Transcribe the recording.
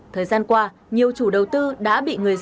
thời gian qua nhiều chủ đầu tư đã bị người dân